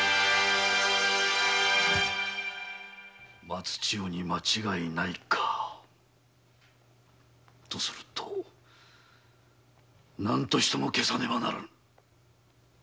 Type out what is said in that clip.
松千代に間違いないかとすると何としても消さねばならぬ。